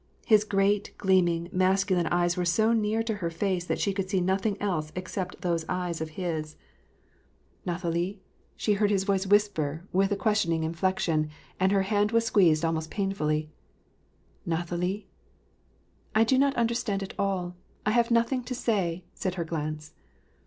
His great, gleaming, masculine eyes were so near to her face that she could see nothing else except those eyes of his. 368 ^AR AND PKACE, " Nathalie ?" she heard his voice whisper, with a question ing inflection, and her hand was squeezed almost painfully. "Nathalie?" '' I do not understand at all ; I have nothing to say/' said her glance.